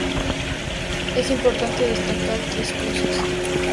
Es importante destacar tres cosas.